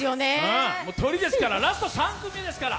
トリですから、ラスト３組ですから。